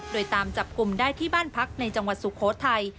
โดยตามจับกลุ่มได้ที่บ้านพักในจังหวัดสุโขทัย